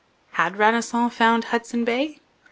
Had Radisson found Hudson Bay?